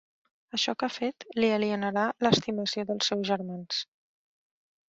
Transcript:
Això que ha fet li alienarà l'estimació dels seus germans.